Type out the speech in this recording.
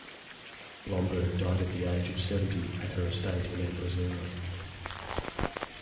Blomberg died at the age of seventy at her estate in Ambrosero.